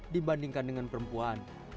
dibandingkan dengan perempuan